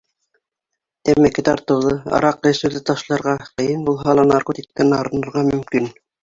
Тәмәке тартыуҙы, араҡы эсеүҙе ташларға, ҡыйын булһа ла, наркотиктан арынырға мөмкин.